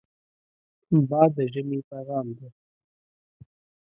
باد د ژمې پیغام دی